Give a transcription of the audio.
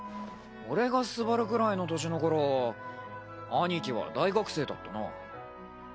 俺が昴くらいの年の頃兄貴は大学生だったな。